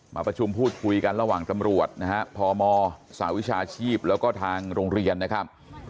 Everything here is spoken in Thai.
มาประชุมพูดคุยกันระหว่างตำรวจนะฮะพมสหวิชาชีพแล้วก็ทางโรงเรียนนะครับ